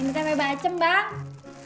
ini tempe bacem bang